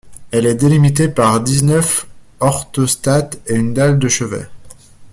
Elle est délimitée par dix-neuf orthostates et une dalle de chevet.